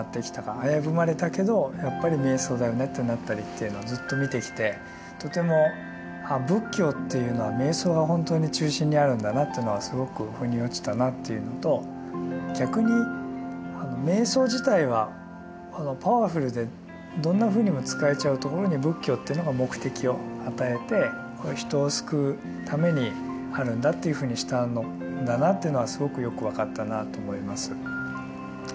危ぶまれたけどやっぱり瞑想だよねってなったりというのをずっと見てきてとてもあ仏教というのは瞑想が本当に中心にあるんだなというのはすごく腑に落ちたなというのと逆に瞑想自体はパワフルでどんなふうにも使えちゃうところに仏教というのが目的を与えて人を救うためにあるんだというふうにしたんだなというのはすごくよく分かったなと思います。